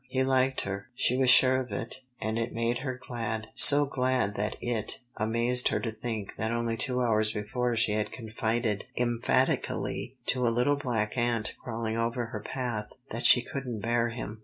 He liked her. She was sure of it, and it made her glad, so glad that it amazed her to think that only two hours before she had confided emphatically to a little black ant crawling over her path, that she couldn't bear him.